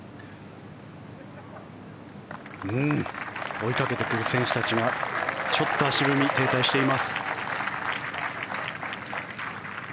追いかけてくる選手たちがちょっと足踏み停滞しています。